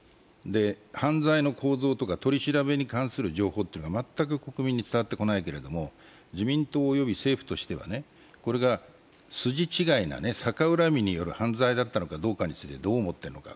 犯罪の構造とか取り調べに関する情報というのは全く国民に伝わってこないけれども自民党及び政府としては、これが筋違いな逆恨みによる犯罪だったことをどう思っているか。